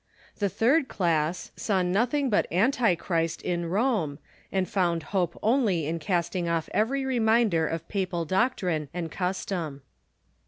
The third class saw nothing but antichrist in Rome, and found hope onl}^ in casting off every reminder of papal doctrine and custom.